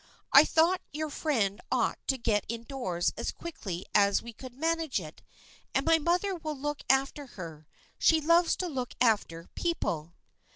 I thought your friend ought to get indoors as quickly as we could manage it, and my mother will look after her. She loves to look after people."